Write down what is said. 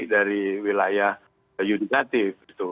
dari wilayah yudikatif gitu